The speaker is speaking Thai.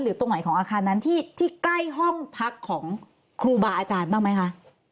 ตรงไหนของอาคารนั้นที่ใกล้ห้องพักของครูบาอาจารย์บ้างไหมคะ